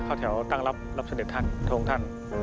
เข้าแถวตั้งรับรับเสด็จท่านทรงท่าน